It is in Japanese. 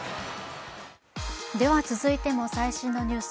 続いても最新のニュース